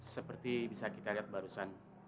seperti bisa kita lihat barusan